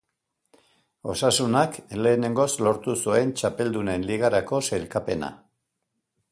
Osasunak lehenengoz lortu zuen Txapeldunen Ligarako sailkapena.